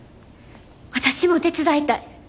私も手伝いたい。